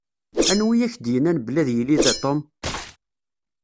Anwa i ak-d-yennan belli ad yili da Tom?